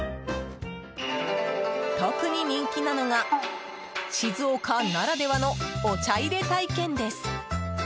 特に人気なのが静岡ならではのお茶入れ体験です。